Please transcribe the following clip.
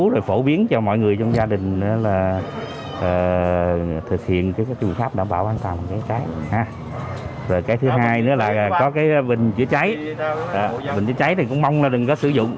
rồi thứ hai nữa là có cái bình chữa cháy bình chữa cháy thì cũng mong là đừng có sử dụng